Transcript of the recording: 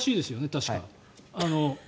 確か。